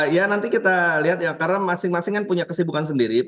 ya nanti kita lihat ya karena masing masing kan punya kesibukan sendiri